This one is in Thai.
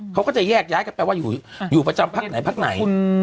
เขาก็จะแยกย้ายกันไปว่าอยู่ประจำพักไหนพักไหน